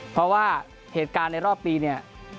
เพราะว่าเกิดการณ์รอบปีนี้